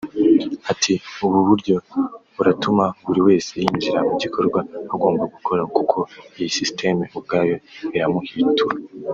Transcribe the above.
Ati ˝Ubu buryo buratuma buri wese yinjira mu gikorwa agomba gukora kuko iyi sisiteme ubwayo iramuhwitura